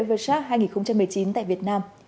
về sát hai nghìn một mươi chín tại việt nam